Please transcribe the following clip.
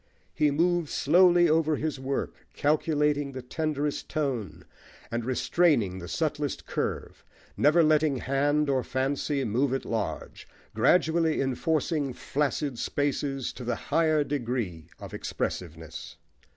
He moves slowly over his work, calculating the tenderest tone, and restraining the subtlest curve, never letting hand or fancy move at large, gradually enforcing flaccid spaces to the higher degree of expressiveness.